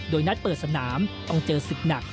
โดยนัดเปิดสนามต้องเจอศึกหนัก